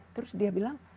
terus dia bilang